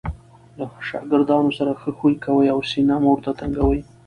له ښاګردانو سره ښه خوي کوئ! او سینه مه ور ته تنګوئ!